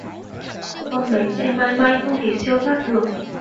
Con bé sẽ mãi mãi không thể siêu thoát được